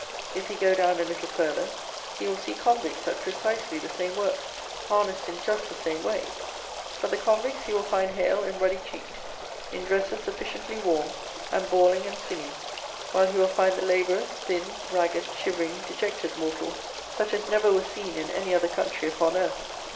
If he go down a little further, he will see CONVICTS at PRECISELY THE SAME WORK, harnessed in JUST THE SAME WAY; but the convicts he will find hale and ruddy cheeked, in dresses sufficiently warm, and bawling and singing; while he will find the labourers thin, ragged, shivering, dejected mortals, such as never were seen in any other country upon earth.